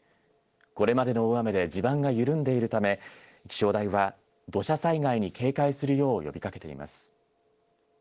これまでの大雨で地盤が緩んでいるため気象台は土砂災害に警戒するよう呼びかけています。